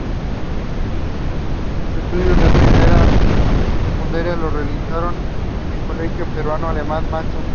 Sus estudios de primaria y secundaria los realizó en el Colegio Peruano-Alemán "Max Uhle".